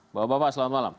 bapak bapak selamat malam